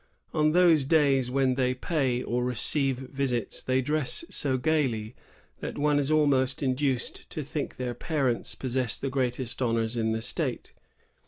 On those days when they pay or receive visits, they dress so gayly that one is almost induced to think their parents possess the greatest honors in the state.